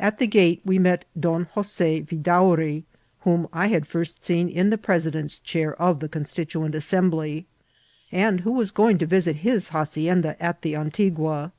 At the gate we met Don Jos6 Vidau ry, whom I had first seen in the president's chair of the Constituent Assembly, and who was going to visit his hacienda at the Antigua.